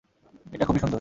এটা খুবই সুন্দর!